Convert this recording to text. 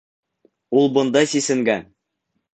Ул бында сисенгән!